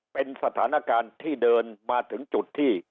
เป็นสถานการณ์ที่เดินมาถึงจุดที่